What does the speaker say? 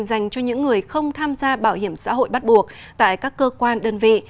dành cho những người không tham gia bảo hiểm xã hội bắt buộc tại các cơ quan đơn vị